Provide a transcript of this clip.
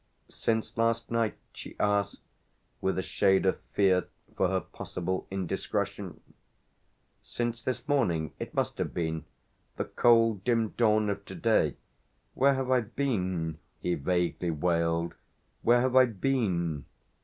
"Since last night?" she asked with a shade of fear for her possible indiscretion. "Since this morning it must have been: the cold dim dawn of to day. Where have I been," he vaguely wailed, "where have I been?"